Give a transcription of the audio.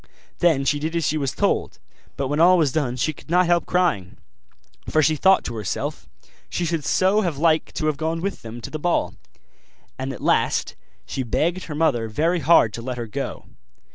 Then she did as she was told; but when all was done she could not help crying, for she thought to herself, she should so have liked to have gone with them to the ball; and at last she begged her mother very hard to let her go.